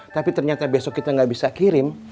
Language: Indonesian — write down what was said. tapi ternyata besok kita nggak bisa kirim